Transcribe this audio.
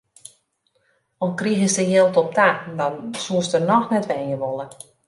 Al krigest der jild op ta, dan soest der noch net wenje wolle.